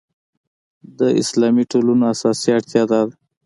د اسلامي ټولنو اساسي اړتیا دا ده.